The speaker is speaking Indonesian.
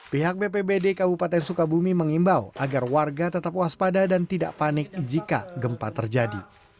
pihak bpbd kabupaten sukabumi mengimbau agar warga tetap waspada dan tidak panik jika gempa terjadi